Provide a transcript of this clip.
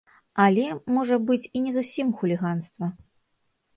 Але, можа быць, і не зусім хуліганства.